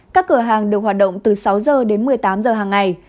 các cửa hàng được hoạt động từ sáu h đến một mươi tám h hàng ngày